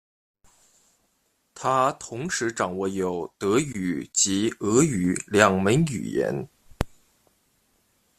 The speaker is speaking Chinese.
他同时掌握有德语及俄语两门语言。